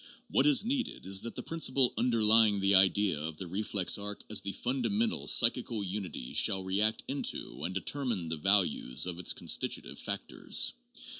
What is needed is that the principle underlying the idea of the reflex arc as the fundamental psychical unity shall react into and determine the values of its constitutive factors.